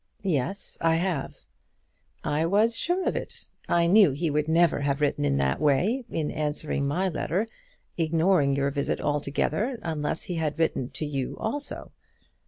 "Yes; I have." "I was sure of it. I knew he would never have written in that way, in answer to my letter, ignoring your visit here altogether, unless he had written to you also."